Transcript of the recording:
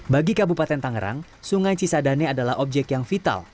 bagi kabupaten tangerang sungai cisadane adalah objek yang vital